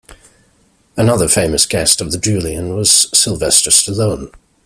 Another famous guest of the Julien was Sylvester Stallone.